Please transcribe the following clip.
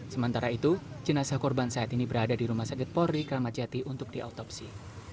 sementara itu jenazah korban saat ini berada di rumah sakit polri kramacati untuk diautopsi